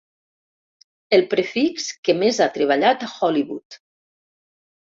El prefix que més ha treballat a Hollywood.